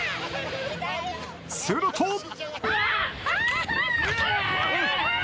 すると。